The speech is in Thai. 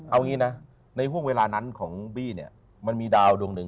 เอางี้นะในห่วงเวลานั้นของบี้เนี่ยมันมีดาวดวงหนึ่ง